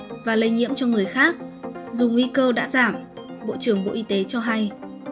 và lây nhiễm cho người khác dù nguy cơ đã giảm bộ trưởng bộ y tế cho hay